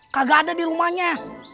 kagak ada di rumahnya